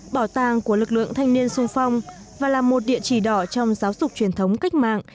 bảo tàng của lực lượng thanh niên sung phong và là một địa chỉ đỏ trong giáo dục truyền thống cách mạng